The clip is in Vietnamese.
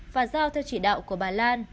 và giao theo chỉ đạo của bà lan